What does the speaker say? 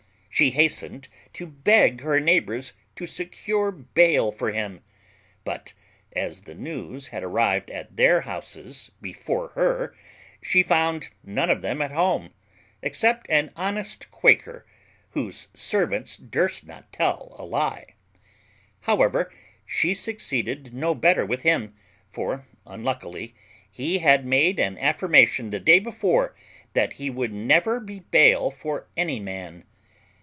She hastened to beg her neighbours to secure bail for him. But, as the news had arrived at their houses before her, she found none of them at home, except an honest Quaker, whose servants durst not tell a lie. However, she succeeded no better with him, for unluckily he had made an affirmation the day before that he would never be bail for any man.